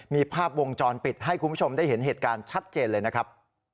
มีภาพวงจรปิดให้คุณผู้ชมได้เห็นเหตุการณ์ชัดเจนเลยนะครับ